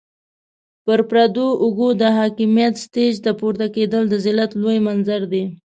پر پردو اوږو د حاکميت سټېج ته پورته کېدل د ذلت لوی منظر دی.